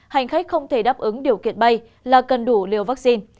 hành khách không thể đáp ứng điều kiện bay là cần đủ liều vaccine